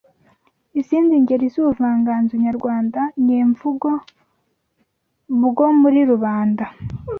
Izindi ngeri z’ubuvanganzo nyarwanda nyemvugo bwo muri rubanda